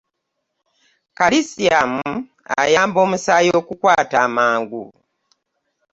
Calicium ayamba omusaayi okukwata amangu.